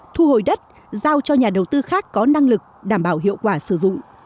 thu hồi đất giao cho nhà đầu tư khác có năng lực đảm bảo hiệu quả sử dụng